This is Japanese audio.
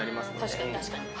確かに確かに。